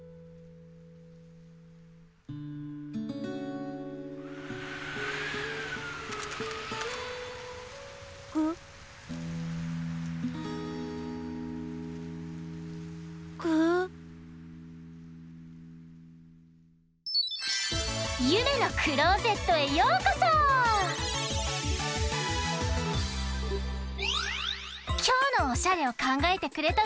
きょうのおしゃれをかんがえてくれたのはゆりほちゃん。